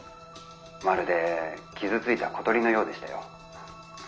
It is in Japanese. まるで傷ついた小鳥のようでしたよ。